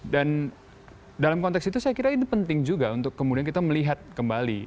dalam konteks itu saya kira ini penting juga untuk kemudian kita melihat kembali